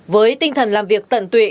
với tinh thần làm việc tận tụy